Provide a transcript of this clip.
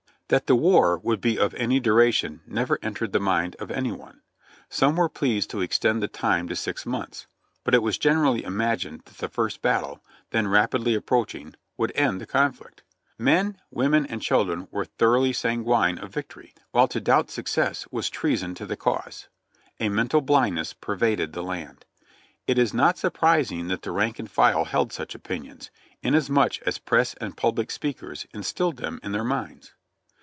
That the war would be of any duration never entered the mind of any one; some were pleased to extend the time to six months, but it was generally imagined that the first battle, then rapidly approaching, would end the conflict. Men, women and children were thoroughly sanguine of victory, while to doubt success was treason to the cause. A mental blindness pervaded the land. It is not surprising that the rank and file held such opinions, inas much as press and public speakers instilled them in their minds.